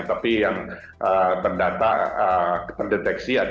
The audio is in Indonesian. tapi yang terdata terdeteksi ada tiga puluh lima